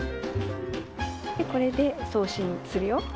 でこれで送信するよ？